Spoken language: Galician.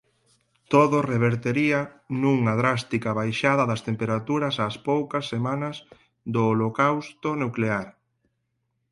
Todo revertería nunha drástica baixada das temperaturas ás poucas semanas do holocausto nuclear.